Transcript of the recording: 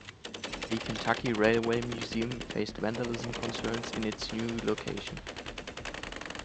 The Kentucky Railway Museum faced vandalism concerns in its new location.